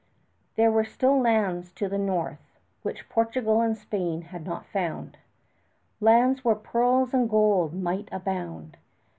] There were still lands to the north, which Portugal and Spain had not found, lands where pearls and gold might abound.